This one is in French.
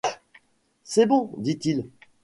C’est bon, dit-il.